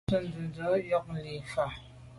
Á swɛ̌n ndwə́ rə̂ ŋgə́tú’ nyɔ̌ŋ lí’ fá.